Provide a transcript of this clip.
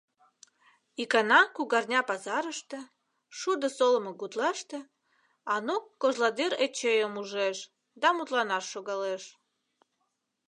Икана кугарня пазарыште, шудо солымо гутлаште, Анук Кожладӱр Эчейым ужеш да мутланаш шогалеш.